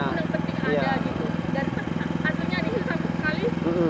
dan hasilnya dihilang sekali